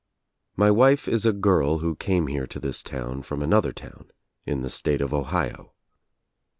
My wife is a girl who came here to this town from . another town In the state of Ohio.